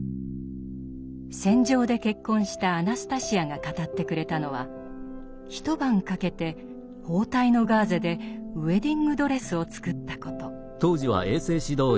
戦場で結婚したアナスタシヤが語ってくれたのは一晩かけて包帯のガーゼでウエディングドレスを作ったこと。